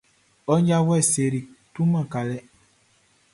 Ɔ janvuɛ Sery tuaman kalɛ.